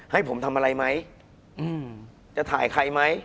ให้ผมทำอะไรไหมจะถ่ายใครไหม